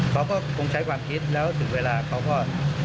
เขาก็คงใช้ความคิดแล้วถึงเวลาเขาก็